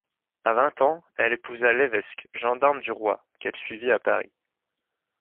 À vingt ans, elle épousa Levesque, gendarme du roi, qu’elle suivit à Paris.